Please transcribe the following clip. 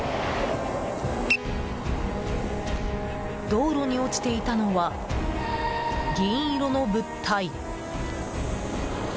道路に落ちていたのは銀色の物体。